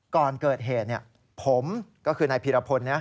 ก่อนเกิดเหตุผมก็คือนายพีรพล